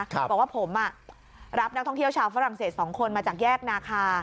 บอกว่าผมรับนักท่องเที่ยวชาวฝรั่งเศส๒คนมาจากแยกนาคา